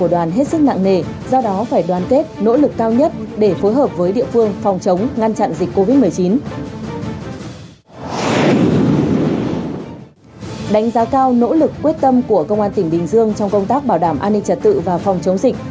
đánh giá cao nỗ lực quyết tâm của công an tỉnh bình dương trong công tác bảo đảm an ninh trật tự và phòng chống dịch